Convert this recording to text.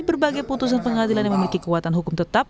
berbagai putusan pengadilan yang memiliki kekuatan hukum tetap